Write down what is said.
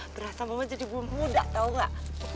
berasa jadi bumulah tau gak